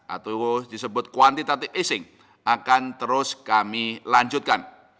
atau disebut kuantitatic asing akan terus kami lanjutkan